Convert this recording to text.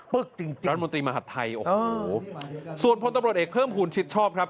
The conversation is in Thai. ปึ๊กจริงจริงรัฐมนตรีมหัฒน์ไทยโอ้โหส่วนพันธมรสเอกเพิ่มขุนชิดชอบครับ